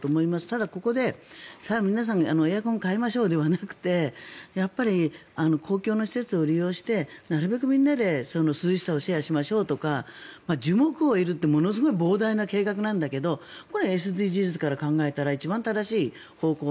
ただ、ここでさあ皆さんエアコンを買いましょうではなくてやっぱり公共の施設を利用してなるべくみんなで涼しさをシェアしましょうとか樹木を植えるってものすごい膨大な計画なんだけどこれ、ＳＤＧｓから考えたら一番正しい方向。